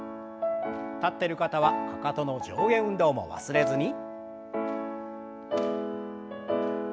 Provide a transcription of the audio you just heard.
立ってる方はかかとの上下運動も忘れずに。